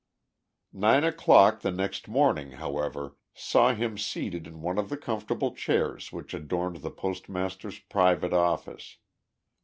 Nine o'clock the next morning, however, saw him seated in one of the comfortable chairs which adorned the postmaster's private office.